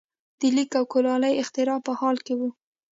د لیک او کولالۍ اختراع په حال کې وو.